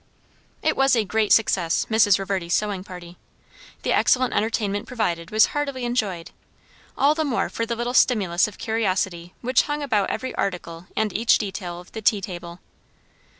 It was a great success, Mrs. Reverdy's sewing party. The excellent entertainment provided was heartily enjoyed, all the more for the little stimulus of curiosity which hung about every article and each detail of the tea table.